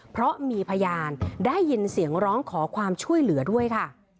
เพราะมีพยานได้ยินเสียงร้องขอความช่วยเหลือด้วยค่ะ